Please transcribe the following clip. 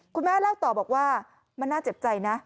เล่าต่อบอกว่ามันน่าเจ็บใจนะ